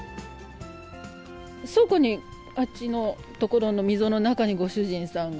倉庫に、あっちの所の溝の中にご主人さんが。